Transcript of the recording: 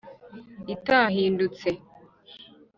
itahindutse